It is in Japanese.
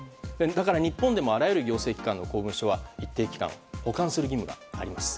だから日本にもあらゆる行政機関の文書は保管する義務があります。